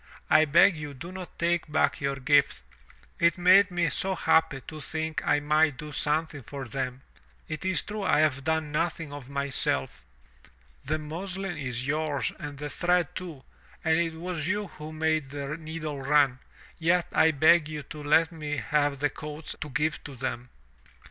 I beg you do not take back your gift. It made me so happy to think I might do something for them. It is true I have done nothing of myself. The muslin is yours and the thread too, and it was you who made the needle run, yet I beg you let me have the coats to give to them."